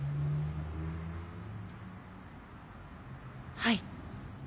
はい。